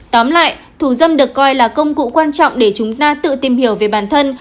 tóm lại thủ dâm được coi là công cụ quan trọng để chúng ta tự tìm hiểu về bản thân